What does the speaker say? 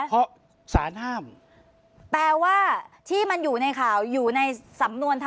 เพราะสารห้ามแปลว่าที่มันอยู่ในข่าวอยู่ในสำนวน